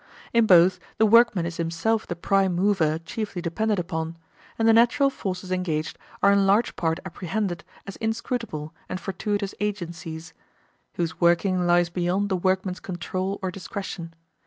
In both, the workman is himself the prime mover chiefly depended upon, and the natural forces engaged are in large part apprehended as inscrutable and fortuitous agencies, whose working lies beyond the workman's control or discretion.